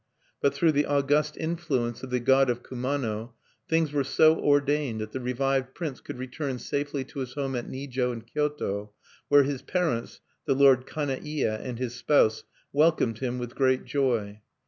But through the august influence of the god of Kumano things were so ordained that the revived prince could return safely to his home at Nijo in Kyoto, where his parents, the lord Kane ie and his spouse, welcomed him with great joy.